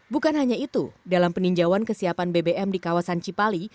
bukan hanya itu dalam peninjauan kesiapan bbm di kawasan cipali